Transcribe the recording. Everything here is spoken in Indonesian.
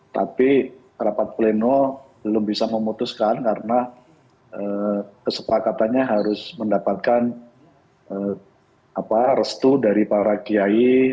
tapi rapat pleno belum bisa memutuskan karena kesepakatannya harus mendapatkan restu dari para kiai